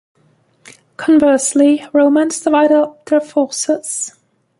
Conversely, Romans divide up their forces.